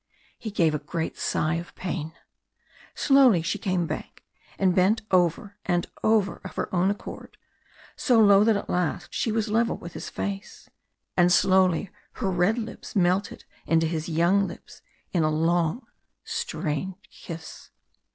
He gave a great sigh of pain. Slowly she came back and bent over and over of her own accord so low that at last she was level with his face. And slowly her red lips melted into his young lips in a long, strange kiss.